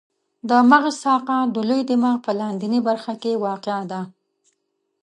د مغز ساقه د لوی دماغ په لاندنۍ برخه کې واقع ده.